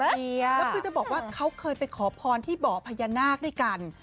แล้วคือจะบอกว่าเขาเคยไปขอพรที่บ่อพญานาคด้วยกัน